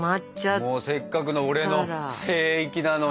せっかくの俺の聖域なのに。